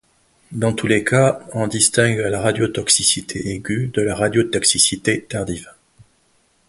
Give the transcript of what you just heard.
Dans tous les cas, on distingue la radiotoxicité aiguë de la radiotoxicité tardive.